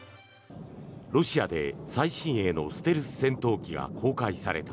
ロシアで最新鋭のステルス戦闘機が公開された。